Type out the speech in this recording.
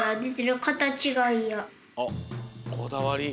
あっこだわり。